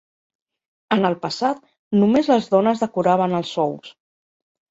En el passat, només les dones decoraven els ous.